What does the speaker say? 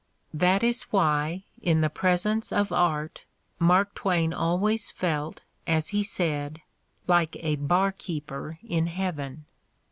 That is why, in the presence of art, Mark Twain always felt, as he said, "like a bar Mark Twain's Humor 219 keeper in heaven.